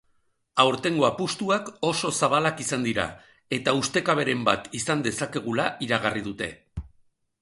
Aurtengo apustuak oso zabalak izan dira eta ustekaberen bat izan dezakegula iragarri dute.